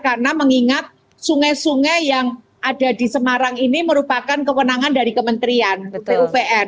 karena mengingat sungai sungai yang ada di semarang ini merupakan kewenangan dari kementerian pupr